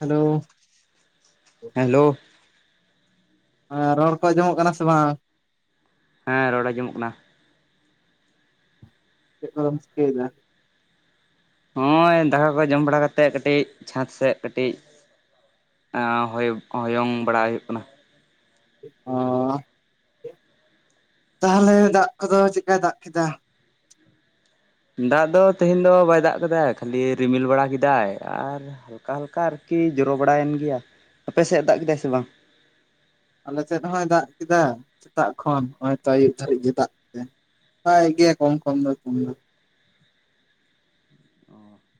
Hello hello ᱟ... ᱨᱚᱲ ᱠᱚ ᱟᱸᱡᱚᱢᱚᱜ ᱠᱟᱱᱟ ᱥᱮ ᱵᱟᱝ ᱦᱮᱸ ᱨᱚᱲ ᱟᱸᱡᱚᱢᱚᱜ ᱠᱟᱱᱟ ᱪᱮᱫ ᱠᱚ ᱫᱚᱢ ᱪᱤᱠᱟᱹᱭ ᱮᱫᱟ ᱱᱚᱜ-ᱚᱭ ᱫᱟᱠᱟ ᱠᱚ ᱡᱚᱢ ᱵᱟᱲᱟ ᱠᱟᱛᱮ ᱠᱟᱹᱴᱤᱡ ᱪᱷᱟᱸᱛ ᱥᱮᱫ ᱠᱟᱹᱴᱤᱡ ᱟᱸ... ᱦᱳᱭ ᱦᱳᱭᱳᱝ ᱵᱟᱲᱟ ᱦᱩᱭᱩᱜ ᱠᱟᱱᱟ ᱚᱸᱻ ᱛᱟᱦᱚᱞᱮ ᱫᱟᱜ ᱠᱚᱫᱚ ᱪᱮᱫᱠᱟᱭ ᱫᱟᱜ ᱠᱮᱫᱟ ᱫᱟᱜ ᱫᱚ ᱛᱮᱦᱮᱧ ᱫᱚ ᱵᱟᱭ ᱫᱟᱜ ᱟᱠᱟᱫᱟᱭ ᱠᱷᱟᱹᱞᱤ ᱨᱤᱢᱤᱞ ᱵᱟᱲᱟ ᱠᱮᱫᱟᱭ ᱟᱨ ᱦᱟᱞᱠᱟ ᱦᱟᱞᱠᱟ ᱟᱨᱠᱤ ᱡᱳᱨᱳ ᱵᱟᱲᱟᱭᱮᱱ ᱜᱮᱭᱟ, ᱟᱯᱮ ᱥᱮᱫ ᱫᱟᱜ ᱠᱮᱫᱟᱭ ᱥᱮ ᱵᱟᱝ ᱟᱞᱮ ᱥᱮᱫ ᱫᱚ ᱦᱟᱸᱜ-ᱟᱭ ᱫᱟᱜ ᱠᱮᱫᱟ ᱥᱮᱛᱟᱜ ᱠᱷᱚᱱ ᱱᱚᱜ-ᱚᱭ ᱛᱚ ᱟᱹᱭᱩᱵ ᱫᱷᱟᱹᱨᱤᱡ ᱜᱮ ᱫᱟᱜ ᱠᱮᱫᱟ ᱫᱟᱜ ᱮᱫ ᱜᱮᱭᱟ ᱠᱳᱢ-ᱠᱳᱢ ᱫᱚ [unintelligible]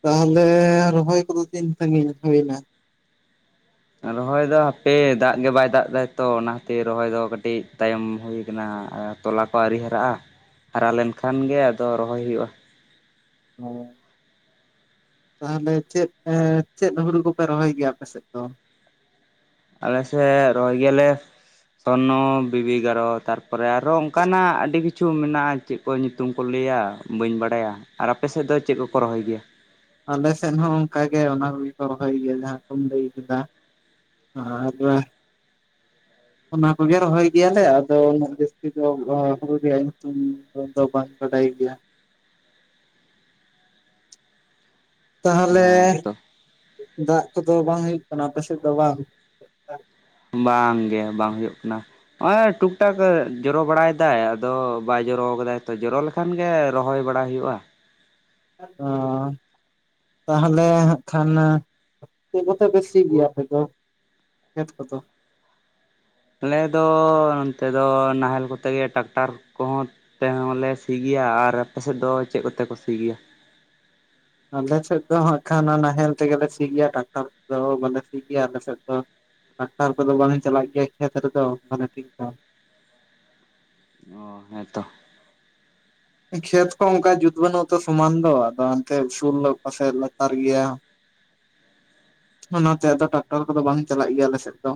ᱛᱟᱦᱚᱞᱮ ᱨᱚᱦᱚᱭ ᱠᱚ ᱫᱚ ᱛᱤᱱ ᱥᱟᱺᱜᱤᱧ ᱦᱩᱭ ᱮᱱᱟ ᱨᱚᱦᱚᱭ ᱫᱚ ᱦᱟᱯᱮ ᱫᱟᱜ ᱜᱮ ᱵᱟᱭ ᱫᱟᱜ ᱮᱫᱟᱭ ᱛᱚ ᱚᱱᱟ ᱠᱷᱟᱹᱛᱤᱨ ᱨᱚᱦᱚᱭ ᱫᱚ ᱠᱟᱹᱴᱤᱡ ᱛᱟᱭᱚᱢ ᱦᱩᱭ ᱟᱠᱟᱱᱟ ᱟᱨ ᱛᱚᱞᱟ ᱠᱳ ᱟᱹᱣᱨᱤ ᱦᱟᱨᱟᱜ-ᱟ ᱦᱟᱨᱟ ᱞᱮᱱ ᱠᱷᱟᱱ ᱜᱮ ᱟᱫᱚ ᱨᱚᱦᱚᱭ ᱦᱩᱭᱩᱜ-ᱟ ᱚᱸ ᱛᱟᱦᱚᱞᱮ ᱪᱮᱫ, ᱟᱸ... ᱪᱮᱫ ᱦᱩᱲᱩ ᱠᱚ ᱯᱮ ᱨᱚᱦᱚᱭ ᱜᱮᱭᱟ ᱟᱯᱮ ᱥᱮᱫ ᱫᱚ ᱟᱞᱮ ᱥᱮᱫ ᱨᱚᱦᱚᱭ ᱜᱮᱭᱟ ᱞᱮ ᱥᱳᱱᱳ ᱵᱤᱵᱤᱜᱟᱨᱚ ᱛᱟᱨᱯᱚᱨᱮ ᱟᱨᱦᱚᱸ ᱚᱱᱠᱟᱱᱟᱜ ᱟᱹᱰᱤ ᱠᱤᱪᱷᱩ ᱢᱮᱱᱟᱜ-ᱟ ᱪᱮᱫ ᱠᱚ ᱧᱩᱛᱩᱢ ᱠᱚ ᱞᱟᱹᱭᱟ ᱵᱟᱹᱧ ᱵᱟᱲᱟᱭᱟ, ᱟᱨ ᱟᱯᱮ ᱥᱮᱫ ᱫᱚ ᱪᱮᱫ ᱠᱚᱠᱚ ᱨᱚᱦᱚᱭ ᱜᱮᱭᱟ ᱟᱞᱮᱥᱮᱫ ᱦᱚᱸ ᱚᱱᱠᱟᱜᱮ ᱚᱱᱟ ᱠᱚᱜᱮ ᱠᱚ ᱨᱚᱦᱚᱭ ᱜᱮᱭᱟ ᱡᱟᱦᱟᱸ ᱠᱚᱢ ᱞᱟᱹᱭ ᱠᱮᱫᱟ ᱟᱨ [inaudible] ᱚᱱᱟ ᱠᱚᱜᱮ ᱨᱚᱦᱚᱭ ᱜᱮᱭᱟᱞᱮ ᱟᱫᱚ ᱩᱱᱟᱹᱜ ᱡᱟᱹᱥᱛᱤ ᱫᱚ ᱦᱩᱲᱩ ᱨᱮᱭᱟᱜ ᱧᱩᱛᱩᱢ ᱫᱚ ᱵᱟᱝ ᱵᱟᱰᱟᱭ ᱜᱮᱭᱟ ᱛᱟᱦᱚᱞᱮ ᱦᱮᱸ ᱛᱚ ᱫᱟᱜ ᱠᱚᱫᱚ ᱵᱟᱝ ᱦᱩᱭᱩᱜ ᱠᱟᱱᱟ ᱟᱯᱮᱥᱮᱫ ᱫᱚ ᱵᱟᱝ ᱵᱟᱝ ᱜᱮ ᱵᱟᱝ ᱦᱩᱭᱩᱜ ᱠᱟᱱᱟ ᱱᱚᱜ-ᱚᱭ ᱴᱩᱠ ᱴᱟᱠ ᱡᱚᱨᱳ ᱵᱟᱲᱟᱭ ᱮᱫᱟᱭ ᱟᱫᱚ ᱵᱟᱭ ᱡᱚᱨᱳ ᱟᱠᱟᱫᱟᱭ ᱛᱚ ᱡᱚᱨᱳ ᱞᱮᱠᱷ.... ᱠᱷᱟᱱ ᱜᱮ ᱨᱚᱦᱚᱭ ᱵᱟᱲᱟ ᱦᱩᱭᱩᱜ-ᱟ᱾ ᱚᱸ ᱛᱟᱦᱚᱞᱮ ᱦᱟᱸᱜ ᱠᱷᱟᱱ ᱪᱮᱫ ᱠᱚᱛᱮ ᱯᱮ ᱥᱤ ᱜᱮᱭᱟ ᱟᱯᱮ ᱫᱚ? ᱠᱷᱮᱛ ᱠᱚᱫᱚ᱾ ᱟᱞᱮ ᱫᱚ ᱱᱚᱱᱛᱮ ᱫᱚ ᱱᱟᱦᱮᱞ ᱠᱚᱛᱮ ᱜᱮ ᱴᱟᱠᱴᱟᱨ ᱠᱚᱦᱚᱸᱼᱼ ᱛᱮᱦᱚᱸ ᱞᱮ ᱥᱤ ᱜᱮᱭᱟ ᱟᱨ ᱟᱯᱮ ᱥᱮᱫ ᱫᱚ ᱪᱮᱫ ᱠᱚᱛᱮ ᱠᱚ ᱥᱤ ᱜᱮᱭᱟ? ᱟᱞᱮ ᱥᱮᱫ ᱫᱚ ᱦᱟᱸᱜᱠᱷᱟᱱ ᱱᱟᱦᱮᱞ ᱛᱮᱜᱮᱞᱮ ᱥᱤ ᱜᱮᱭᱟ ᱴᱟᱠᱴᱟᱨ ᱛᱮ ᱫᱚ ᱵᱟᱞᱮ ᱥᱤ ᱜᱮᱭᱟ ᱟᱞᱮ ᱥᱮᱫ ᱫᱚᱼᱼ ᱴᱟᱠᱴᱟᱨ ᱠᱚᱫᱚ ᱵᱟᱝ ᱪᱟᱞᱟᱜ ᱜᱮᱭᱟ ᱠᱷᱮᱛ ᱨᱮᱫᱚ ᱢᱟᱱᱮ ᱴᱷᱤᱠ ᱴᱟᱟᱠ᱾ ᱚᱻ ᱦᱮᱸ ᱛᱚ᱾ ᱠᱷᱮᱛ ᱠᱚ ᱚᱱᱠᱟ ᱡᱩᱛ ᱵᱟᱹᱱᱩᱜ-ᱟ ᱛᱚ ᱥᱚᱢᱟᱱ ᱫᱚ ᱟᱫᱚ ᱦᱟᱱᱛᱮ ᱩᱥᱩᱞ ᱚᱠᱟ ᱥᱮᱡ ᱞᱟᱛᱟᱨ ᱜᱮᱭᱟ᱾ ᱚᱱᱟᱛᱮ ᱟᱫᱚ ᱴᱟᱠᱴᱟᱨ ᱠᱚᱫᱚ ᱵᱟᱝ ᱪᱟᱞᱟᱜ ᱜᱮᱭᱟ ᱟᱞᱮ ᱥᱮᱫ ᱫᱚ᱾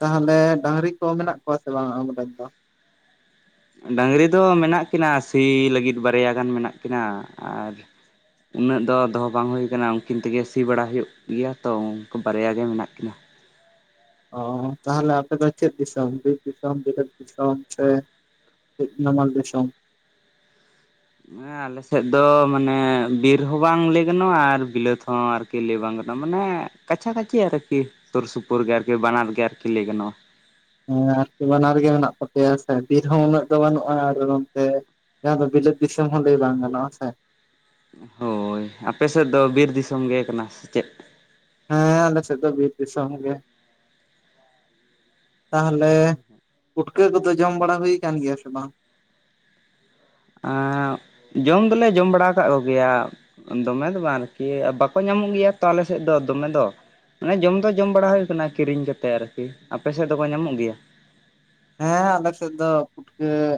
ᱛᱟᱦᱚᱞᱮ ᱰᱟᱝᱨᱤ ᱠᱚ ᱢᱮᱱᱟᱜ ᱠᱚᱣᱟ ᱥᱮ ᱵᱟᱝ ᱟᱢᱨᱮᱱ ᱫᱚ? ᱰᱟᱝᱨᱤ ᱫᱚ ᱢᱮᱱᱟᱜ ᱠᱤᱱᱟ ᱥᱤ ᱞᱟᱹᱜᱤᱫ ᱵᱟᱨᱭᱟ ᱜᱟᱱ ᱢᱮᱱᱟᱜ ᱠᱤᱱᱟ, ᱟᱨᱼᱼ ᱩᱱᱟᱹᱜ ᱫᱚ ᱫᱚᱦᱚ ᱵᱟᱝ ᱦᱩᱭ ᱠᱟᱱᱟ ᱩᱱᱠᱤᱱ ᱛᱮᱜᱮ ᱥᱤ ᱵᱟᱲᱟ ᱦᱩᱭᱩᱜ ᱜᱮᱭᱟ ᱛᱚ ᱩᱱᱠᱩ ᱵᱟᱨᱭᱟ ᱜᱮ ᱢᱮᱱᱟᱜ ᱠᱤᱱᱟ᱾ ᱚᱻ ᱛᱟᱦᱚᱞᱮ ᱟᱯᱮ ᱫᱚ ᱪᱮᱫ ᱫᱤᱥᱚᱢ ᱵᱤᱨ ᱫᱤᱥᱚᱢ, ᱵᱤᱞᱟᱹᱛ ᱫᱤᱥᱚᱢ ᱥᱮᱼᱼ ᱠᱟᱹᱡ ᱱᱟᱢᱟᱞ ᱫᱤᱥᱚᱢ᱾ ᱦᱮᱸ ᱟᱞᱮ ᱥᱮᱫ ᱫᱚ ᱢᱟᱱᱮ ᱵᱤᱨ ᱦᱚᱸ ᱵᱟᱝ ᱞᱟᱹᱭ ᱜᱟᱱᱚᱜ-ᱟ, ᱟᱨ ᱵᱤᱞᱟᱹᱛ ᱦᱚᱸ ᱟᱨᱠᱤᱼᱼ ᱠᱤ ᱞᱟᱹᱭ ᱵᱟᱝ ᱜᱟᱱᱚᱜᱼᱟ ᱢᱟᱱᱮ ᱠᱟᱪᱷᱟ ᱠᱟᱪᱷᱤ ᱟᱨᱠᱤ ᱥᱩᱨ ᱥᱩᱯᱩᱨ ᱜᱮ ᱟᱨᱠᱤ ᱵᱟᱱᱟᱨ ᱜᱮ ᱟᱨᱠᱤ ᱞᱟᱹᱭ ᱜᱟᱱᱚᱜ-ᱟ᱾ ᱦᱮᱸ ᱟᱨᱠᱤ ᱵᱟᱱᱟᱨ ᱜᱮ ᱢᱮᱱᱟᱜ ᱛᱟᱯᱮᱭᱟ ᱦᱮᱸ ᱥᱮ ᱵᱤᱨ ᱦᱚᱸ ᱩᱱᱟᱹᱜ ᱫᱚ ᱵᱟᱹᱱᱩᱜ-ᱟ, ᱟᱨ ᱱᱚᱱᱛᱮᱼᱼ ᱡᱟᱦᱟᱸ ᱫᱚ ᱵᱤᱞᱟᱹᱛ ᱫᱤᱥᱚᱢ ᱦᱚᱸ ᱞᱟᱹᱭ ᱵᱟᱝ ᱜᱟᱱᱚᱜ-ᱟ ᱦᱮᱸ ᱥᱮ? ᱦᱳᱭ, ᱟᱯᱮ ᱥᱮᱫ ᱫᱚ ᱵᱤᱨ ᱫᱤᱥᱚᱢ ᱜᱮ ᱠᱟᱱᱟ ᱥᱮ ᱪᱮᱫ? ᱦᱮᱸ ᱟᱞᱮ ᱥᱮᱫ ᱫᱚ ᱵᱤᱨ ᱫᱤᱥᱚᱢ ᱜᱮ᱾ ᱛᱟᱦᱚᱞᱮ ᱯᱩᱴᱠᱟᱹ ᱠᱚᱫᱚ ᱡᱚᱢ ᱵᱟᱲᱟ ᱦᱩᱭ ᱠᱟᱱᱟ ᱜᱮᱭᱟ ᱥᱮ ᱵᱟᱝ? ᱟᱸ ᱡᱚᱢ ᱫᱚᱞᱮ ᱡᱚᱢ ᱵᱟᱲᱟ ᱠᱟᱫ ᱠᱚ ᱜᱮᱭᱟ᱾ ᱫᱚᱢᱮ ᱫᱚ ᱵᱟᱝ ᱟᱨᱠᱤ ᱵᱟᱠᱚ ᱧᱟᱢᱚᱜ ᱜᱮᱭᱟ ᱛᱚ ᱟᱞᱮ ᱥᱮᱫ ᱫᱚ ᱫᱚᱢᱮ ᱫᱚ᱾ ᱢᱟᱱᱮ ᱡᱚᱢ ᱫᱚ ᱡᱚᱢ ᱵᱟᱲᱟ ᱦᱩᱭ ᱠᱟᱱᱟ ᱠᱤᱨᱤᱧ ᱠᱟᱛᱮ ᱟᱨᱠᱤ, ᱟᱯᱮ ᱥᱮᱫ ᱫᱚᱠᱚ ᱧᱟᱢᱚᱜ ᱜᱮᱭᱟ? ᱦᱮᱸ ᱟᱞᱮ ᱥᱮᱫ ᱫᱚ ᱯᱩᱴᱼᱼ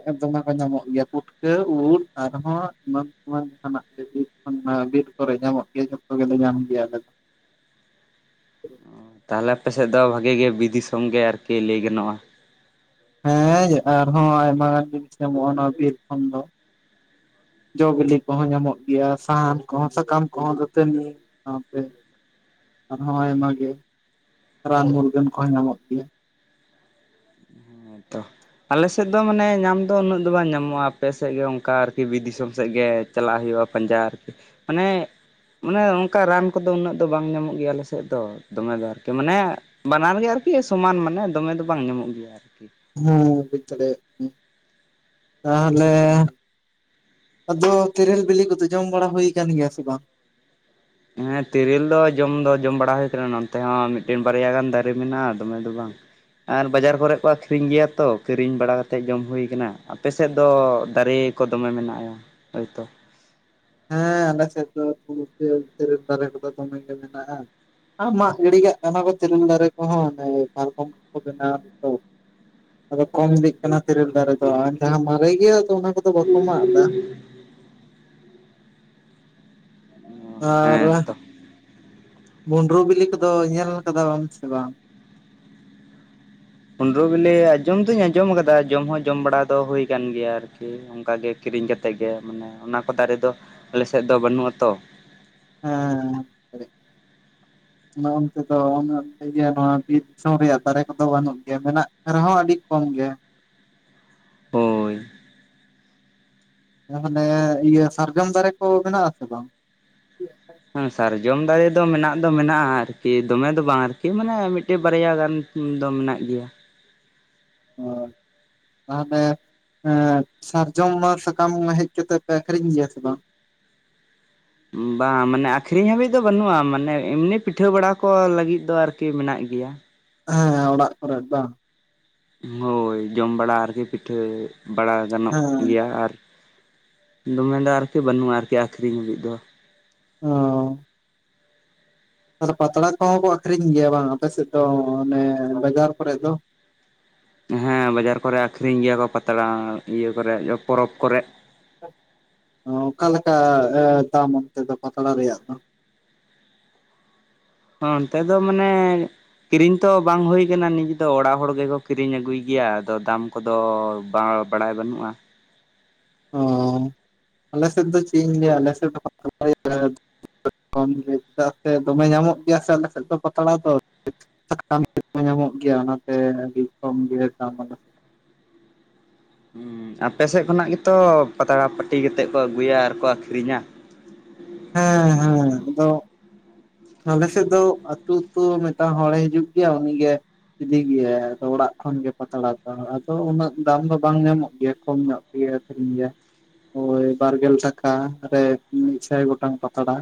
ᱠᱟᱹ ᱫᱚᱢᱮ ᱠᱚ ᱧᱟᱢᱚᱜ ᱜᱮᱭᱟ ᱯᱩᱴᱠᱟᱹ ᱩᱫ ᱟᱨᱦᱚᱸ ᱮᱢᱟᱱ ᱮᱢᱟᱱ ᱛᱮᱱᱟᱜ ᱡᱟᱦᱟᱱᱟᱜ ᱜᱮ ᱠᱚᱼᱼ ᱚᱱᱟ ᱵᱤᱨ ᱠᱚᱨᱮ ᱧᱟᱢᱚᱜ ᱜᱮᱭᱟ ᱡᱚᱛᱚ ᱜᱮᱞᱮ ᱧᱟᱢ ᱜᱮᱭᱟ ᱟᱞᱮ ᱫᱚ᱾ ᱛᱟᱦᱚᱞᱮ ᱟᱯᱮ ᱥᱮᱫ ᱫᱚ ᱵᱷᱟᱜᱮ ᱜᱮ ᱵᱤ ᱫᱤᱥᱚᱝ ᱜᱮ ᱟᱨᱠᱤ ᱞᱟᱹᱭ ᱜᱟᱱᱚᱜ-ᱟ? ᱦᱮᱸ ᱟᱨᱦᱚᱸ ᱟᱭᱢᱟ ᱡᱤᱱᱤᱥ ᱧᱟᱢᱚᱜ-ᱟ ᱚᱱᱟ ᱵᱤᱨ ᱠᱷᱚᱱ ᱫᱚ᱾ ᱡᱚ ᱵᱤᱞᱤ ᱠᱚᱦᱚᱸ ᱧᱟᱢᱚᱜ ᱜᱮᱭᱟ ᱥᱟᱦᱟᱱ ᱠᱚᱦᱚᱸ, ᱥᱟᱠᱟᱢ ᱠᱚᱦᱚᱸ, ᱫᱟᱹᱛᱟᱹᱱᱤ, ᱼᱼ ᱥᱟᱸᱣᱛᱮ ᱟᱨᱦᱚᱸ ᱟᱭᱢᱟ ᱜᱮ ᱨᱟᱱ ᱢᱩᱨᱜᱟᱹᱱ ᱠᱚ ᱦᱚᱸ ᱧᱟᱢᱚᱜ ᱜᱮᱭᱟᱼᱼ ᱦᱮᱸᱛᱚ ᱟᱞᱮ ᱥᱮᱫ ᱫᱚ ᱢᱟᱱᱮ ᱧᱟᱢ ᱫᱚ ᱩᱱᱟᱹᱜ ᱫᱚ ᱵᱟᱝ ᱧᱟᱢᱚᱜ-ᱟ ᱟᱯᱮ ᱥᱮᱫ ᱜᱮ ᱚᱱᱠᱟ ᱟᱨᱠᱤ ᱵᱤᱨ ᱫᱤᱥᱚᱢ ᱥᱮᱫ ᱜᱮᱼᱼ ᱪᱟᱞᱟᱜ ᱦᱩᱭᱩᱜ-ᱟ ᱯᱟᱸᱡᱟᱡ ᱢᱟᱱᱮᱼᱼ ᱢᱟᱱᱮ ᱚᱱᱠᱟ ᱨᱟᱱ ᱠᱚᱫᱚ ᱩᱱᱟᱹᱜ ᱫᱚ ᱵᱟᱝ ᱧᱟᱢᱚᱜ ᱜᱮᱭᱟ ᱟᱞᱮ ᱥᱮᱫ ᱫᱚ᱾ ᱫᱚᱢᱮ ᱫᱚ ᱟᱨᱠᱤ ᱢᱟᱱᱮ ᱵᱟᱱᱟᱨ ᱜᱮ ᱟᱨᱠᱤ ᱥᱚᱢᱟᱱ ᱢᱟᱱᱮ ᱫᱚᱢᱮ ᱫᱚ ᱵᱟᱝ ᱧᱟᱢᱚᱜ ᱜᱮᱭᱟ ᱟᱨᱠᱤ᱾ ᱦᱮᱸ ᱵᱩᱡᱽ ᱫᱟᱲᱮᱭ-ᱟᱜ ᱠᱟᱱᱤᱧ ᱛᱟᱦᱚᱞᱮᱼᱼ ᱟᱫᱚ ᱛᱮᱨᱤᱞ ᱵᱤᱞᱤ ᱠᱚᱫᱚ ᱡᱚᱢ ᱵᱟᱲᱟ ᱦᱩᱭ ᱠᱟᱱ ᱜᱮᱭᱟ ᱥᱮ ᱵᱟᱝ? ᱦᱮᱸ ᱛᱤᱨᱤᱞ ᱫᱚ ᱡᱚᱢ ᱫᱚ ᱡᱚᱢ ᱵᱟᱲᱟ ᱦᱩᱭ ᱟᱠᱟᱱᱟ ᱱᱚᱛᱮ ᱦᱚᱸ ᱢᱤᱫᱴᱮᱱ ᱵᱟᱨᱭᱟ ᱜᱟᱱ ᱫᱟᱨᱮ ᱢᱮᱱᱟᱜ-ᱟ ᱫᱚᱢᱮ ᱫᱚ ᱵᱟᱝ᱾ ᱟᱨ ᱵᱟᱡᱟᱨ ᱠᱚᱨᱮ ᱠᱚ ᱟᱠᱷᱨᱤᱧ ᱜᱮᱭᱟ ᱛᱚ ᱠᱤᱨᱤᱧ ᱵᱟᱲᱟ ᱠᱟᱛᱮᱫ ᱡᱚᱢ ᱦᱩᱭ ᱟᱠᱟᱱᱟ, ᱟᱯᱮ ᱥᱮᱫ ᱫᱚ ᱫᱟᱨᱮᱼᱼ ᱠᱚ ᱫᱚᱢᱮ ᱢᱮᱱᱟᱜ ᱟᱭᱟ ᱦᱳᱭ ᱛᱚ᱾ ᱦᱮᱸ ᱟᱞᱮ ᱥᱮᱫ ᱫᱚ [inaudible] ᱛᱤᱨᱤᱞ ᱫᱟᱨᱮ ᱠᱚᱫᱚ ᱫᱚᱢᱮ ᱜᱮ ᱢᱮᱱᱟᱜ-ᱟ᱾ ᱟᱸ ᱢᱟᱜ ᱜᱤᱰᱤ ᱠᱟᱜ ᱠᱟᱱᱟ ᱠᱚ ᱛᱤᱨᱤᱞ ᱫᱟᱨᱮ ᱠᱚᱦᱚᱸ ᱚᱱᱮ ᱯᱟᱨᱠᱚᱢ ᱠᱚᱠᱚ ᱵᱮᱱᱟᱣ ᱮᱫᱟ ᱛᱚ᱾ ᱟᱫᱚ ᱠᱚᱢ ᱤᱫᱤᱜ ᱠᱟᱱᱟ ᱛᱤᱨᱤᱞ ᱫᱟᱨᱮ ᱫᱚ ᱡᱟᱦᱟᱸ ᱢᱟᱨᱮ ᱜᱮᱭᱟ ᱚᱱᱟ ᱠᱚᱫᱚ ᱵᱟᱠᱚ ᱢᱟᱜ ᱫᱟ᱾ ᱦᱮᱸ ᱟᱨᱻ ᱛᱚ ᱢᱩᱸᱰᱨᱩ ᱵᱤᱞᱤ ᱠᱚᱫᱚ ᱧᱮᱞ ᱠᱟᱫᱟ ᱵᱮᱱ ᱥᱮ ᱵᱟᱝ? ᱢᱩᱱᱰᱨᱳ ᱵᱤᱞᱤ ᱟᱸᱡᱚᱢ ᱫᱩᱧ ᱟᱸᱡᱚᱢ ᱟᱠᱟᱫᱟ ᱡᱚᱢ ᱦᱚᱸ ᱡᱚᱢ ᱵᱟᱲᱟ ᱫᱚ ᱦᱩᱭ ᱟᱠᱟᱱ ᱜᱮᱭᱟ ᱟᱨᱠᱤ᱾ ᱚᱝᱱᱠᱟ ᱜᱮ ᱠᱤᱨᱤᱧ ᱠᱟᱛᱮᱫ ᱜᱮ ᱢᱟᱱᱮ ᱚᱱᱟ ᱠᱚ ᱫᱟᱨᱮ ᱫᱚ ᱟᱞᱮ ᱥᱮᱫ ᱫᱚ ᱵᱟᱹᱱᱩᱜ-ᱟ ᱛᱚ᱾ ᱦᱮᱸ-ᱦᱮᱸ-ᱦᱮᱸ [inaudible] ᱚᱱᱮ ᱚᱱᱛᱮ ᱫᱚ ᱚᱱᱮ ᱤᱭᱟᱹ ᱱᱚᱣᱟ ᱵᱤᱨ ᱫᱤᱥᱚᱢ ᱨᱮᱭᱟᱜ ᱫᱟᱨᱮ ᱠᱚ ᱫᱚ ᱵᱟᱹᱱᱩᱜ ᱜᱮᱭᱟ ᱢᱮᱱᱟᱜ ᱨᱮ ᱦᱚᱸ ᱟᱹᱰᱤ ᱠᱚᱢ ᱜᱮᱭᱟ᱾ ᱦᱳᱭ᱾ ᱟᱨ ᱢᱟᱱᱮ ᱤᱭᱟᱹ ᱥᱟᱨᱡᱚᱢ ᱫᱟᱨᱮ ᱠᱩ ᱢᱮᱱᱟᱜ ᱟᱥᱮ ᱵᱟᱝ? ᱦᱮᱸ ᱥᱟᱨᱡᱚᱢ ᱫᱟᱨᱮ ᱫᱚ ᱢᱮᱱᱟᱜ ᱫᱚ ᱢᱮᱱᱟᱜᱼᱟ ᱟᱨᱠᱤ ᱫᱚᱢᱮ ᱫᱚ ᱵᱟᱝ ᱟᱨᱠᱤ ᱢᱟᱱᱮ ᱢᱤᱫ ᱴᱮᱱ ᱵᱟᱨᱭᱟ ᱜᱟᱱ᱾ ᱫᱚᱢ ᱢᱮᱱᱟᱜ ᱜᱮᱭᱟ᱾ ᱦ [unintelligible] ᱛᱟᱦᱚᱞᱮ ᱥᱟᱨᱡᱚᱢ ᱢᱟ ᱥᱟᱠᱟᱢ ᱠᱚᱢᱟ ᱦᱮᱡ ᱠᱟᱛᱮ ᱯᱮ ᱟᱠᱷᱨᱤᱧ ᱜᱮᱭᱟ ᱥᱮ ᱵᱟᱝ? ᱵᱟᱝᱟ ᱢᱟᱱᱮ ᱟᱹᱠᱷᱨᱤᱧ ᱦᱟᱹᱵᱤᱡ ᱫᱚ ᱵᱟᱹᱱᱩᱜᱼᱟ ᱢᱟᱱᱮ ᱮᱢᱱᱤ ᱯᱤᱴᱷᱟᱹ ᱵᱟᱲᱟ ᱠᱚ ᱞᱟᱹᱜᱤᱫ ᱫᱚ ᱟᱨᱠᱤ ᱢᱮᱱᱟᱜ ᱜᱮᱭᱟ᱾ ᱦᱮᱸ ᱦᱮᱸ ᱚᱲᱟᱜ ᱠᱚᱨᱮ ᱫᱚ ᱦᱚᱭ ᱡᱚᱢ ᱵᱟᱲᱟ ᱟᱨᱠᱤ ᱯᱤᱴᱷᱟᱹ ᱵᱟᱲᱟ ᱜᱟᱱᱚᱜ ᱦᱮᱸ ᱜᱮᱭᱟ ᱟᱨᱼᱼ ᱫᱚᱢᱮ ᱫᱚ ᱟᱨᱠᱤ ᱵᱟᱹᱱᱩᱜᱼᱟ ᱟᱨᱠᱤ ᱟᱹᱠᱷᱨᱤᱧ ᱦᱟᱹᱵᱤᱡ ᱫᱚ᱾ ᱚᱻ ᱟᱨ ᱯᱟᱛᱲᱟ ᱠᱚᱦᱚᱸ ᱠᱚ ᱟᱹᱠᱷᱨᱤᱧ ᱜᱮᱭᱟ ᱵᱟᱝ ᱟᱯᱮ ᱥᱮᱫ ᱫᱚ ᱚᱱᱮ ᱵᱟᱡᱟᱨ ᱠᱚᱨᱮ ᱫᱚ? ᱦᱮᱸ ᱵᱟᱡᱟᱨ ᱠᱚᱨᱮ ᱟᱹᱠᱷᱨᱤᱧ ᱜᱮᱭᱟ ᱠᱚ ᱯᱟᱛᱲᱟ ᱤᱭᱟᱹ ᱠᱚᱨᱮ ᱯᱚᱨᱚᱵᱽ ᱠᱚᱨᱮ᱾ ᱚᱠᱟ ᱞᱮᱠᱟ ᱫᱟᱢ ᱚᱱᱛᱮ ᱫᱚ ᱯᱟᱛᱲᱟ ᱨᱮᱭᱟᱜ ᱫᱚ? ᱚᱱᱛᱮ ᱫᱚ ᱢᱟᱱᱮᱼᱼ ᱠᱤᱨᱤᱧ ᱛᱚ ᱵᱟᱝ ᱦᱩᱭ ᱟᱠᱟᱱᱟ ᱱᱤᱡᱮ ᱫᱚ ᱚᱲᱟᱜ ᱦᱚᱲ ᱜᱮᱠᱚ ᱠᱤᱨᱤᱧ ᱟᱹᱜᱩᱭ ᱜᱮᱭᱟ ᱟᱫᱚ ᱫᱟᱢᱼᱼ ᱠᱚᱫᱚ ᱵᱟᱝ ᱵᱟᱲᱟᱭ ᱵᱟᱹᱱᱩᱜᱼᱟ ᱚᱸ ᱟᱞᱮ ᱥᱮᱫ ᱫᱚ ᱪᱮᱫ ᱤᱧ ᱞᱟᱹᱭᱟ ᱟᱞᱮ [unintelligible] ᱠᱚᱢ ᱛᱮ ᱮᱫᱟᱜ ᱥᱮ ᱫᱚᱢᱮ ᱧᱟᱢᱚᱜ ᱜᱮᱭᱟ ᱥᱮ ᱟᱞᱮ ᱥᱮᱫ ᱫᱚ ᱯᱟᱛᱲᱟ ᱫᱚ᱾ ᱥᱟᱠᱟᱢ ᱛᱮᱫ ᱦᱚᱸ ᱧᱟᱢᱚᱜ ᱜᱮᱭᱟ ᱚᱱᱟᱛᱮ ᱟᱹᱰᱤ ᱠᱚᱢ ᱜᱮ ᱥᱮᱫ ᱟᱯᱮ ᱥᱮᱫ ᱠᱷᱚᱱᱟᱜ ᱜᱮᱛᱚ ᱯᱟᱛᱲᱟ ᱯᱟᱹᱴᱤ ᱠᱟᱛᱮᱫ ᱠᱚ ᱟᱹᱜᱩᱭᱟ ᱟᱨᱠᱚ ᱟᱹᱠᱷᱨᱤᱧᱟ᱾ ᱦᱮᱸ ᱦᱮᱸ ᱟᱫᱚᱼᱼ ᱟᱞᱮ ᱥᱮᱫ ᱫᱚ ᱟᱹᱛᱩ ᱟᱹᱛᱩ ᱢᱤᱫᱴᱟᱝ ᱦᱚᱲᱮ ᱦᱤᱡᱩᱜ ᱜᱮᱭᱟ ᱩᱱᱤᱜᱮᱼᱼ ᱤᱫᱤ ᱜᱮᱭᱟᱭ ᱟᱫᱚ ᱚᱲᱟᱜ ᱠᱷᱚᱱ ᱜᱮ ᱯᱟᱛᱲᱟ ᱫᱚ ᱟᱫᱚ ᱩᱱᱟᱹᱜ ᱫᱟᱢ ᱫᱚ ᱵᱟᱝ ᱧᱟᱢᱚᱜ ᱜᱮᱭᱟ ᱠᱚᱢ ᱧᱚᱜᱼᱼ ᱤᱭᱟ ᱟᱹᱠᱷᱨᱤᱧ ᱜᱮᱭᱟ ᱵᱟᱨᱜᱮᱞ ᱴᱟᱠᱟ ᱨᱮ ᱢᱤᱫᱥᱟᱭ ᱜᱚᱴᱟᱝ ᱯᱟᱛᱲᱟ᱾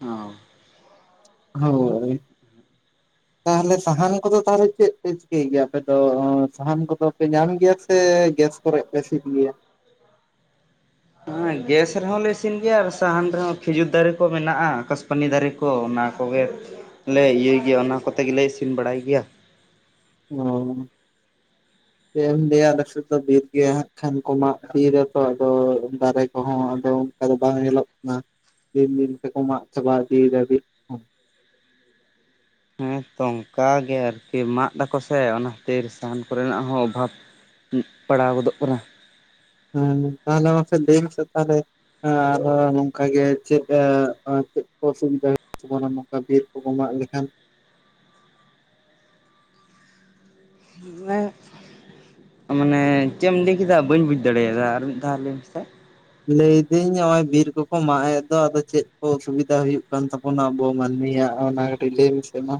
ᱚᱸᱻ ᱦᱚᱭ᱾ ᱛᱟᱦᱚᱞᱮ ᱥᱟᱦᱟᱱ ᱠᱚᱫᱚ ᱛᱟᱦᱚᱞᱮ ᱪᱮᱫ ᱯᱮ ᱪᱤᱠᱟᱹᱭ ᱜᱮᱭᱟ ᱟᱯᱮ ᱫᱚ ᱥᱟᱦᱟᱱ ᱠᱚᱫᱚ ᱯᱮ ᱧᱟᱢ ᱜᱮᱭᱟ ᱥᱮ ᱜᱮᱥᱼᱼ ᱠᱚᱨᱮ ᱯᱮ ᱥᱤᱱ ᱜᱮᱭᱟ? ᱦᱮᱸ ᱜᱮᱥ ᱨᱮᱦᱚᱸ ᱞᱮ ᱤᱥᱤᱱ ᱜᱮᱭᱟ ᱟᱨ ᱥᱟᱦᱟᱱ ᱨᱮᱦᱚᱸ ᱠᱷᱤᱡᱩᱨ ᱫᱟᱨᱮ ᱠᱚ ᱢᱮᱱᱟᱜ-ᱟ ᱠᱟᱥᱯᱟᱱᱤ ᱫᱟᱨᱮᱼᱼ ᱠᱚ ᱚᱱᱟ ᱠᱚᱜᱮ ᱞᱮ ᱤᱭᱟᱹᱭ ᱜᱮᱭᱟ ᱚᱱᱟ ᱠᱚᱛᱮ ᱜᱮᱞᱮ ᱤᱥᱤᱱ ᱵᱟᱲᱟᱭ ᱜᱮᱭᱟ᱾ ᱚᱸᱻ᱾ ᱪᱮᱫ ᱮᱢ ᱞᱟᱭᱟ ᱟᱞᱮᱥᱮᱫ ᱫᱚ ᱵᱤᱨ ᱜᱮᱭᱟ ᱠᱷᱟᱱ ᱠᱚ ᱢᱟᱜ ᱵᱤᱨ ᱨᱮᱛᱚ ᱟᱫᱚ ᱫᱟᱨᱮ ᱠᱚᱦᱚᱸ ᱟᱫᱚᱼᱼ ᱟᱫᱚ ᱵᱟᱝ ᱧᱮᱞᱚᱜ ᱠᱟᱱᱟ ᱫᱤᱱ ᱫᱤᱱ ᱛᱮᱠᱚ ᱢᱟᱜ ᱪᱟᱵᱟ ᱤᱫᱤᱭᱮᱫᱟ ᱵᱤᱨ᱾ ᱠᱚᱦᱚᱸ ᱦᱮᱸ ᱛᱚ ᱚᱱᱠᱟ ᱜᱮ ᱟᱨᱠᱤ ᱢᱟᱜ ᱮᱫᱟᱠᱚ ᱥᱮ ᱚᱱᱟ ᱠᱷᱟᱹᱛᱤᱨ ᱥᱟᱦᱟᱱ ᱠᱚᱨᱮᱱᱟᱜ ᱦᱚᱸ ᱚᱵᱷᱟᱵᱽ᱾ ᱦᱩᱸ ᱯᱟᱲᱟᱣ ᱜᱚᱫᱚᱜ ᱠᱟᱱᱟ᱾ ᱦᱮᱸ ᱛᱟᱦᱚᱞᱮ ᱢᱟ ᱞᱟᱹᱭᱢᱥ ᱛᱟᱦᱚᱞᱮ [inaudible] ᱟᱨᱦᱚᱸ ᱱᱚᱝᱠᱟ ᱜᱮ ᱪᱮᱫ ᱪᱮᱫ ᱚᱥᱩᱵᱤᱫᱟ ᱦᱩᱭᱩᱜ ᱛᱟᱵᱚᱱᱟ ᱱᱚᱝᱠᱟ ᱵᱤᱨ᱾ ᱠᱚ ᱢᱟᱜ ᱞᱮᱠᱷᱟᱱᱼᱼ ᱢᱟᱱᱮ ᱪᱮᱫ ᱮᱢ ᱞᱟᱹᱭ ᱠᱮᱫᱟ ᱵᱟᱹᱧ ᱵᱩᱡ ᱫᱟᱲᱮᱭᱟᱫᱟ ᱟᱨ ᱢᱤᱫ ᱫᱷᱟᱣ ᱞᱟᱹᱭ ᱢᱮᱥᱮ? ᱞᱟᱹᱭᱫᱟᱹᱧ ᱱᱚᱜ-ᱚᱭ ᱵᱤᱨ ᱠᱚᱠᱚ ᱢᱟᱜ ᱮᱫ ᱫᱚ ᱟᱫᱚ ᱪᱮᱫ ᱠᱚ ᱚᱥᱩᱵᱤᱫᱟ ᱦᱩᱭᱩᱜ ᱠᱟᱱ ᱛᱟᱼᱼ ᱚᱱᱟ ᱵᱚ ᱢᱟᱹᱱᱢᱤ ᱚᱱᱟ ᱠᱟᱴᱤᱡ ᱞᱟᱹᱭ ᱢᱮᱥᱮ ᱢᱟ?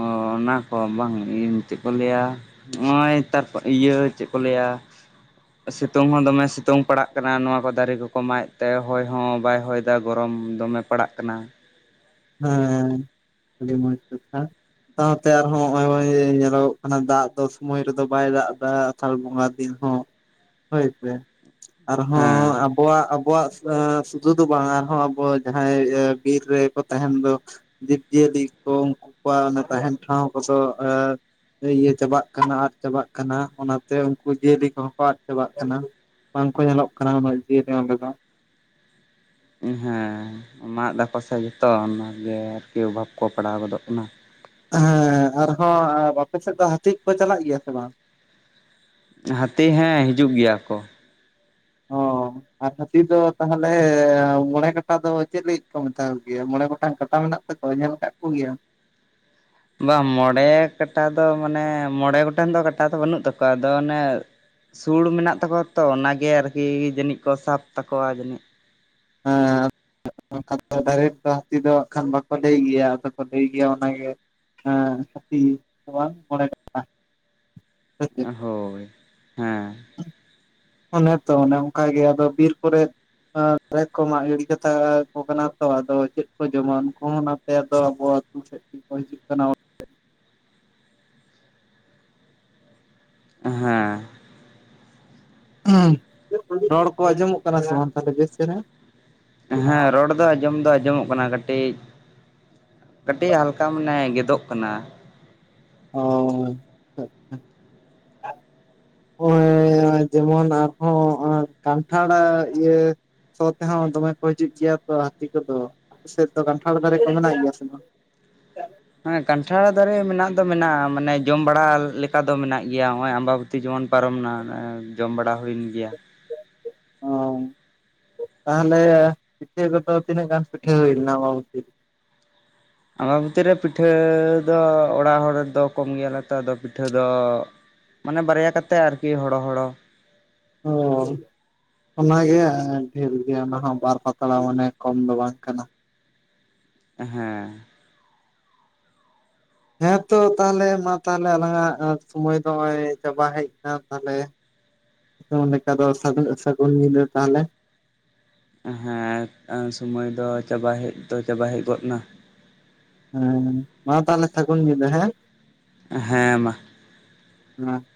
ᱚ ᱚᱱᱟ ᱠᱚ ᱵᱟᱝ ᱪᱮᱫ ᱠᱚ ᱞᱟᱹᱭᱟ? ᱱᱚᱜ-ᱚᱭ ᱛᱟᱨᱯᱚᱨ ᱤᱭᱟᱹ ᱪᱮᱫ ᱠᱚ ᱞᱟᱹᱭᱟ? ᱥᱤᱛᱩᱝ ᱦᱚᱸ ᱫᱚᱢᱮ ᱥᱤᱛᱩᱝ ᱯᱟᱲᱟᱜ ᱠᱟᱱᱟ ᱱᱚᱣᱟ ᱠᱚ ᱫᱟᱨᱮ ᱠᱚᱠᱚ ᱢᱟᱜ ᱛᱮ ᱦᱚᱭ ᱦᱚᱸ ᱵᱟᱭ ᱦᱚᱭᱼᱼ ᱮᱫᱟ ᱜᱚᱨᱚᱢ ᱫᱚᱢᱮ ᱯᱟᱲᱟᱜ ᱠᱟᱱᱟ᱾ ᱦᱮᱸ ᱟᱹᱰᱤ ᱢᱚᱡᱽ ᱠᱟᱛᱷᱟ᱾ ᱥᱟᱶᱛᱮ ᱟᱨᱦᱚᱸ ᱱᱚᱜᱼᱚᱭ ᱧᱮᱞᱚᱜᱚᱜ ᱠᱟᱱᱟ ᱫᱟᱜ ᱫᱚ ᱥᱩᱢᱚᱭ ᱨᱮᱫᱚ ᱵᱟᱭ ᱫᱟᱜ ᱫᱟ ᱯᱷᱟᱞ ᱵᱚᱸᱜᱟ ᱫᱤᱱ ᱦᱚᱸ ᱦᱚᱭ ᱥᱮ ᱟᱨᱦᱚᱸ ᱦᱮᱸ ᱟᱵᱚᱣᱟᱜᱼᱼ ᱟᱵᱚᱣᱟᱜ ᱮ ᱥᱩᱫᱷᱩ ᱫᱚ ᱵᱟᱝ ᱟᱨᱦᱚᱸ ᱟᱵᱚ ᱡᱟᱦᱟᱸᱭ ᱵᱤᱨ ᱨᱮ ᱛᱟᱦᱮᱱ ᱫᱚ ᱡᱤᱵᱽ-ᱡᱤᱭᱟᱹᱞᱤ ᱠᱚ ᱩᱱᱠᱩ ᱠᱚᱣᱟᱜ ᱛᱟᱦᱮᱱ ᱴᱷᱟᱶ ᱠᱚᱫᱚ ᱤᱭᱟᱹ ᱪᱟᱵᱟᱜ ᱠᱟᱱᱟ ᱟᱫ ᱪᱟᱵᱟᱜ ᱠᱟᱱᱟ ᱚᱱᱟᱛᱮ ᱩᱱᱠᱩ ᱡᱤᱭᱟᱹᱞᱤ ᱠᱚᱦᱚᱸ ᱠᱚ ᱟᱫ ᱪᱟᱵᱟᱜ ᱠᱟᱱᱟ᱾ ᱵᱟᱝᱠᱚ ᱧᱮᱞᱚᱜ ᱠᱟᱱᱟ ᱩᱱᱟᱹᱜ ᱡᱤᱭᱟᱹᱞᱤ ᱚᱸᱰᱮ ᱫᱚ᱾ ᱦᱮᱸ ᱢᱟᱜ ᱮᱫᱟᱠᱚ ᱥᱮ ᱡᱚᱛᱚ ᱚᱱᱟᱛᱮ ᱜᱮ ᱟᱨᱠᱤ ᱚᱵᱷᱟᱵᱽ ᱠᱚ ᱯᱟᱲᱟᱣ ᱜᱚᱫᱚᱜ ᱠᱟᱱᱟ᱾ ᱦᱮᱸ ᱟᱨᱦᱚᱸ ᱟᱯᱮ ᱥᱮᱫ ᱫᱚ ᱦᱟᱹᱛᱤ ᱠᱚ ᱠᱚ ᱪᱟᱞᱟᱜ ᱜᱮᱭᱟ ᱥᱮ ᱵᱟᱝ? ᱦᱟᱛᱤ ᱦᱮᱸ ᱦᱤᱡᱩᱜ ᱜᱮᱭᱟ ᱠᱚ᱾ ᱦᱚᱸ᱾ ᱟᱨ ᱦᱟᱹᱛᱤ ᱫᱚ ᱛᱟᱦᱚᱞᱮ ᱢᱚᱬᱮ ᱠᱟᱴᱟ ᱫᱚ ᱪᱮᱫ ᱞᱟᱹᱜᱤᱫ ᱠᱚ ᱢᱮᱛᱟᱣ ᱜᱮᱭᱟ ᱢᱚᱬᱮ ᱜᱚᱴᱟᱝ ᱠᱟᱴᱟ ᱢᱮᱱᱟᱜ ᱛᱟᱠᱚᱣᱟ ᱧᱮᱞ ᱠᱟᱜ ᱠᱚᱜᱮᱭᱟᱢ? ᱵᱟᱝ ᱢᱚᱬᱮ ᱠᱟᱴᱟ ᱫᱚ ᱢᱟᱱᱮ ᱢᱚᱬᱮ ᱜᱚᱴᱮᱱ ᱫᱚ ᱠᱟᱴᱟ ᱫᱚ ᱵᱟᱹᱱᱩᱜ ᱛᱟᱠᱚᱣᱟ ᱟᱫᱚ ᱚᱱᱮ ᱥᱩᱲ ᱢᱮᱱᱟᱜ ᱛᱟᱠᱚᱣᱟ ᱛᱚ ᱚᱱᱟᱜᱮ ᱟᱨᱠᱤ ᱡᱟᱹᱱᱤᱡ ᱠᱚ ᱥᱟᱵ ᱛᱟᱠᱚᱣᱟ ᱡᱟᱹᱱᱤᱡ᱾ ᱦᱮᱸ ᱠᱷᱟᱱ ᱰᱟᱭᱨᱮᱴ ᱫᱚ ᱦᱟᱹᱛᱤ ᱫᱚ ᱦᱟᱜᱠᱷᱟᱱ ᱵᱟᱠᱚ ᱞᱟᱹᱭ ᱜᱮᱭᱟ ᱟᱫᱚ ᱠᱚ ᱞᱟᱹᱭ ᱜᱮᱭᱟ ᱚᱱᱟᱜᱮ ᱦᱮᱸ ᱦᱟᱹᱛᱤ ᱫᱚ ᱵᱟᱝ ᱢᱚᱬᱮ ᱜᱚᱴᱟ᱾ ᱦᱳᱭ ᱦᱮᱸ᱾ ᱚᱱᱮ ᱛᱚ ᱚᱱᱮ ᱚᱱᱠᱟᱜᱮ ᱟᱫᱚ ᱵᱤᱨ ᱠᱚᱨᱮ ᱫᱟᱨᱮ ᱠᱚ ᱢᱟᱜ ᱜᱤᱲᱤ ᱠᱟᱛᱟ ᱠᱚ ᱠᱟᱱᱟ ᱛᱚ ᱟᱫᱚ ᱪᱮᱫ ᱠᱚ ᱡᱚᱢᱟ ᱩᱱᱠᱩ ᱦᱚᱸ ᱚᱱᱟ ᱛᱮ ᱟᱫᱚ ᱟᱵᱚ ᱟᱹᱛᱩ ᱥᱮᱫ ᱠᱚ ᱠᱚ ᱦᱤᱡᱩᱜ ᱠᱟᱱᱟ᱾ ᱦᱮᱸ᱾ [unintelligible] ᱨᱚᱲ ᱠᱚ ᱟᱸᱡᱚᱢᱚᱜ ᱠᱟᱱᱟ ᱥᱮ ᱵᱟᱝ ᱛᱟᱦᱞᱮ ᱵᱮᱥ ᱪᱮᱨᱦᱟ᱾ ᱦᱮᱸ ᱨᱚᱲ ᱫᱚ ᱟᱸᱡᱚᱢ ᱫᱚ ᱟᱸᱡᱚᱢᱚᱜ ᱠᱟᱱᱟ ᱠᱟᱹᱴᱤᱡ ᱠᱟᱹᱴᱤᱡ ᱦᱟᱞᱠᱟ ᱢᱟᱱᱮ ᱜᱮᱫᱚᱜ ᱠᱟᱱᱟ᱾ ᱚᱻ ᱟᱪᱪᱷᱟ ᱦᱟᱜ-ᱚᱭ ᱡᱮᱢᱚᱱ ᱟᱨᱦᱚᱸ ᱮ ᱠᱟᱱᱴᱷᱟᱲ ᱤᱭᱟᱹ ᱥᱚ ᱛᱮᱦᱚᱸ ᱫᱚᱢᱮ ᱠᱚ ᱦᱤᱡᱩᱜ ᱜᱮᱭᱟ ᱛᱚ ᱦᱟᱹᱛᱤ ᱠᱚᱫᱚ ᱟᱯᱮ ᱥᱮᱫ ᱫᱚ ᱠᱟᱱᱴᱷᱟᱲ ᱫᱟᱨᱮ ᱠᱚ ᱢᱮᱱᱟᱜ ᱜᱮᱭᱟ ᱥᱮ ᱵᱟᱝ? ᱦᱮ ᱠᱟᱱᱴᱷᱟᱲ ᱫᱟᱨᱮ ᱢᱮᱱᱟᱜ ᱫᱚ ᱢᱮᱱᱟᱜ-ᱟ ᱢᱟᱱᱮ ᱡᱚᱢ ᱵᱟᱲᱟ ᱞᱮᱠᱟ ᱫᱚ ᱢᱮᱱᱟᱜ ᱜᱮᱭᱟ ᱦᱚᱜ-ᱚᱭ ᱟᱢᱵᱟ ᱵᱚᱛᱤ ᱡᱮᱢᱚᱱ ᱯᱟᱨᱚᱢᱮᱱᱟ ᱡᱚᱢ ᱵᱟᱲᱟ ᱦᱩᱭᱮᱱ ᱜᱮᱭᱟ᱾ ᱚ ᱛᱟᱦᱚᱞᱮ ᱯᱤᱴᱷᱟᱹ ᱠᱚᱫᱚ ᱛᱤᱱᱟᱹᱜ ᱜᱟᱱ ᱯᱤᱴᱷᱟᱹ ᱦᱩᱭ ᱞᱮᱱᱟ ᱟᱢᱵᱟᱵᱚᱛᱤ ᱨᱮ᱾ ᱟᱢᱵᱟᱵᱚᱛᱤ ᱨᱮ ᱯᱤᱴᱷᱟᱹ ᱫᱚ ᱚᱲᱟᱜ ᱦᱚᱲᱫᱚ ᱠᱚᱢ ᱜᱮᱭᱟᱞᱮ ᱛᱚᱫᱚ ᱯᱤᱴᱷᱟᱹ ᱫᱚ ᱢᱟᱱᱮ ᱵᱟᱨᱭᱟ ᱠᱟᱛᱮ ᱟᱨᱠᱤ ᱦᱚᱲᱚ ᱦᱚᱲᱚ᱾ ᱚᱻ ᱚᱱᱟᱜᱮ ᱰᱷᱮᱨ ᱜᱮᱭᱟ ᱚᱱᱟ ᱦᱚᱸ ᱵᱟᱨ ᱯᱟᱛᱲᱟ ᱢᱟᱱᱮ ᱠᱚᱢ ᱫᱚ ᱵᱟᱝ ᱠᱟᱱᱟ᱾ ᱦᱮᱸ᱾ ᱦᱮ ᱛᱚ ᱛᱟᱦᱚᱞᱮ ᱢᱟ ᱛᱟᱦᱚᱞᱮ ᱟᱞᱟᱝᱟᱜ ᱥᱚᱢᱚᱭ ᱫᱚ ᱱᱚᱜᱚᱭ ᱪᱟᱵᱟ ᱦᱮᱡ ᱟᱠᱟᱱᱟ ᱛᱟᱦᱞᱮ [unintelligible] ᱞᱮᱠᱟ ᱫᱚ ᱥᱟ ᱥᱟ. ᱜᱩᱱ ᱧᱤᱫᱟ. ᱛᱟᱦᱞᱮ᱾ ᱦᱮᱸ ᱥᱩᱢᱟᱹᱭ ᱫᱚ ᱪᱟᱵᱟ ᱦᱮᱡ ᱫᱚ ᱪᱟᱵᱟ ᱦᱮᱡ ᱜᱚᱫ ᱱᱟ᱾ ᱦᱮᱸ ᱢᱟ ᱛᱟᱦᱞᱮ ᱥᱟᱹᱜᱩᱱ ᱧᱤᱫᱟᱹ ᱦᱮᱸ᱾ ᱦᱮᱸ ᱢᱟ᱾ [unintelligible]